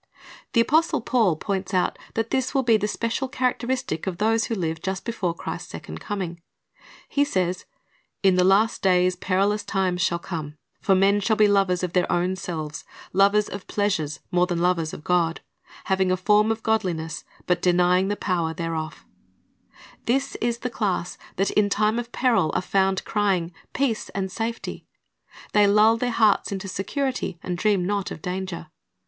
"^ The apostle Paul points out that this will be the special charac teristic of those who live just before Christ's second coming. He says, "In the last days perilous times shall come: for men shall be lovers of their own selves; ... lov^ers of pleasures more than lovers of God; having a form of godliness, but denying the power thereof"^ This is the class that in time of peril are found crying. Peace and safety. They lull their hearts into security, and dream not of danger.